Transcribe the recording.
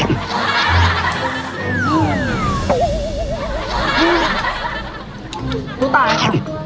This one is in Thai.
อร่อยมั้ยพร้อมค่ะไป